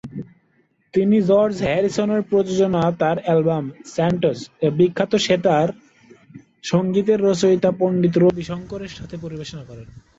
তিনি জর্জ হ্যারিসনের প্রযোজনায় তাঁর অ্যালবাম "চ্যান্টস"-এ বিশ্বখ্যাত সেতার সঙ্গীতের রচয়িতা পণ্ডিত রবি শঙ্করের সাথে পরিবেশনা করেছেন।